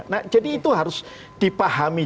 nah jadi itu harus dipahami